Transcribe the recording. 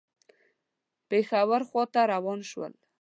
پېښور خواته روان شول.